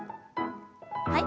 はい。